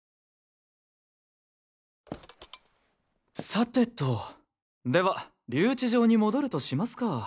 さてとでは留置場に戻るとしますか。